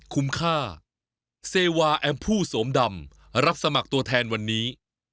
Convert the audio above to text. คุ้มค่าเซวาแอมพู่สวมดำรับสมัครตัวแทนวันนี้